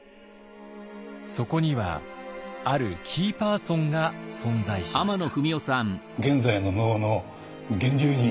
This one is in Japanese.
そこにはあるキーパーソンが存在しました。